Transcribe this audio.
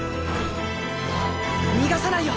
逃がさないよ！